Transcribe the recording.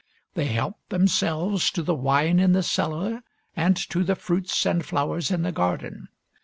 They helped themselves to the wine in the cellar and to the fruits and flowers in the garden.